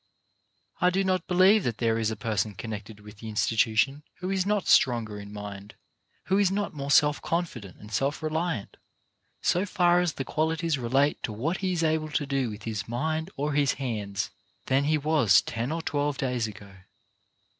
I do not believe that there is a person connected with the institution who is not stronger in mind, who is not more self confident and self reliant, so far as the qualities relate to what he is able to do with his mind or his hands, than he was ten or twelve days ago.